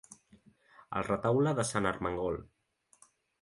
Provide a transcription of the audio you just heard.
El Retaule de Sant Ermengol.